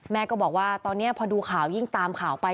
แม่ก็บอกว่าตอนนี้พอดูข่าวยิ่งตามข่าวไป